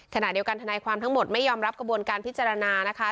ขณะเดียวกันทนายความทั้งหมดไม่ยอมรับกระบวนการพิจารณานะคะ